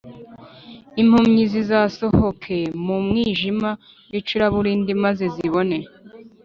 impumyi zizasohoke mu mwijima w’icuraburindi, maze zibone.